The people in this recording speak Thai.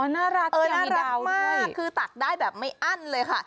น่ารักยังมีดาวด้วยคือตักได้แบบไม่อั้นเลยค่ะ